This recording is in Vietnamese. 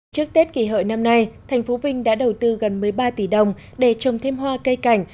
trước tết kỷ hợi năm nay thành phố vinh đã đầu tư gần một mươi ba tỷ đồng để trồng thêm hoa cây cảnh